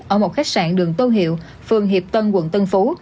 ở một khách sạn đường tô hiệu phường hiệp tân quận tân phú